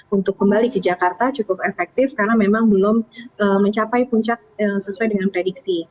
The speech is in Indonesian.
untuk kembali ke jakarta cukup efektif karena memang belum mencapai puncak sesuai dengan prediksi